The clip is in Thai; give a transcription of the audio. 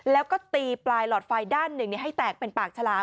แล้วก็ตีปลายหลอดไฟด้านหนึ่งให้แตกเป็นปากฉลาม